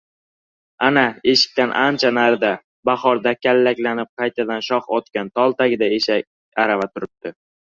Ana, eshikdan ancha narida, bahorda kallaklanib, qaytadan shox otgan tol tagida eshak arava turibdi.